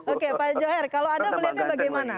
oke pak joer kalau anda melihatnya bagaimana